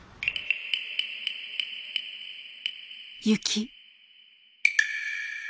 雪。